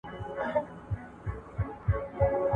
په مابین کي د رنګینو اولادونو `